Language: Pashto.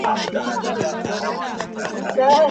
زه ورته ټوله شپه قرآن لولم قرآن ورښيم,